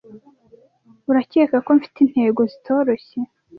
Urakeka ko mfite intego zitoroshye?